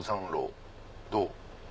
どう？